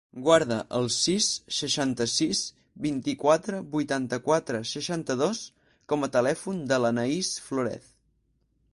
Guarda el sis, seixanta-sis, vint-i-quatre, vuitanta-quatre, seixanta-dos com a telèfon de l'Anaís Florez.